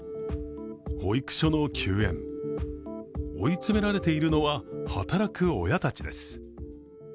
保育所の休園、追い詰められているのは働く親たちです。